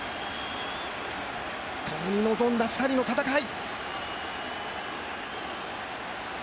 共に望んだ２人の戦い。